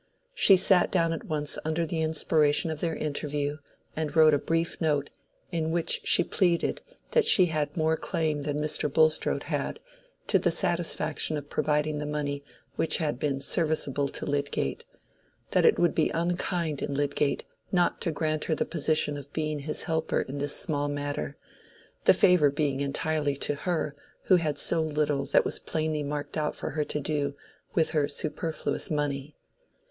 She sat down at once under the inspiration of their interview, and wrote a brief note, in which she pleaded that she had more claim than Mr. Bulstrode had to the satisfaction of providing the money which had been serviceable to Lydgate—that it would be unkind in Lydgate not to grant her the position of being his helper in this small matter, the favor being entirely to her who had so little that was plainly marked out for her to do with her superfluous money.